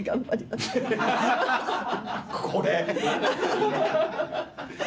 これ？